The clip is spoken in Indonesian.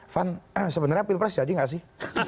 van sebenarnya pilpres jadi nggak sih